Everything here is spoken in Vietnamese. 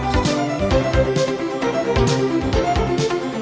hẹn gặp lại